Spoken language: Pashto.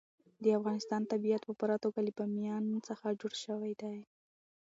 د افغانستان طبیعت په پوره توګه له بامیان څخه جوړ شوی دی.